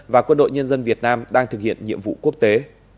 và quân đội nhân dân việt nam đang thực hiện nhiệm vụ quốc tế